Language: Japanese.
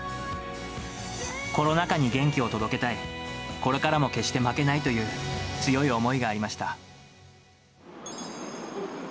コロナ禍に元気を届けたい、これからも決して負けないという強い思いがありました。